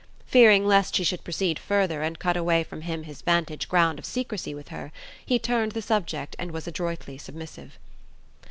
Fearing lest she should proceed further and cut away from him his vantage ground of secrecy with her, he turned the subject and was adroitly submissive.